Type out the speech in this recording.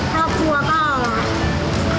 พ่อครัวก็